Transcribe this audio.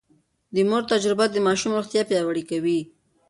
د مور تجربه د ماشوم روغتيا پياوړې کوي.